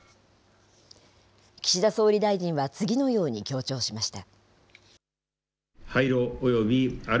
岸田総理大臣は次のように強調しました。